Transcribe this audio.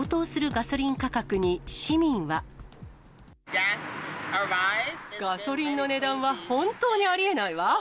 ガソリンの値段は本当にありえないわ。